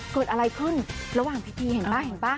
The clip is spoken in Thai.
เกิดอะไรขึ้นระหว่างพิธีเห็นป่ะเห็นป่ะ